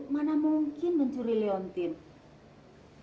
mana mungkin mencuri leontin